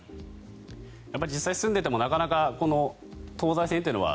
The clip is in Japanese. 実際住んでいてもなかなか東西線というのは。